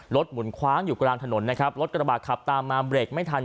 หมุนคว้างอยู่กลางถนนนะครับรถกระบาดขับตามมาเบรกไม่ทัน